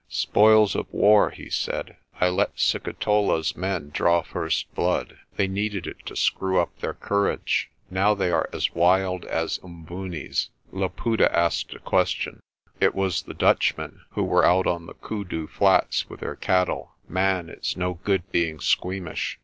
"Spoils of war," he said. "I let Sikitola's men draw first blood. They needed it to screw up their courage. Now they are as wild as Umbooni's." Laputa asked a question. "It was the Dutchmen, who were out on the Koodoo Flats with their cattle. Man, it's no good being squeamish.